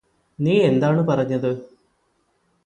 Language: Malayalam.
നീയെന്താണ് പറഞ്ഞത്